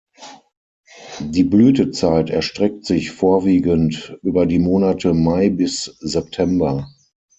Die Blütezeit erstreckt sich vorwiegend über die Monate Mai bis September.